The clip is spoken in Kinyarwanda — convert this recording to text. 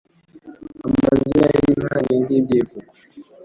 Amazina y'inka ni nk'ibyivugo